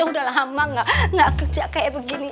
udah lama gak kerja kayak begini